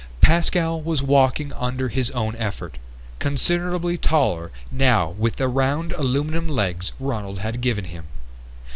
Pascal was walking under his own effort, considerably taller now with the round, aluminum legs Ronald had given him.